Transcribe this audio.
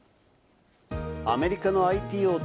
アメリカのＩＴ大手